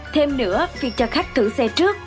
thêm nữa việc cho khách thử xe trước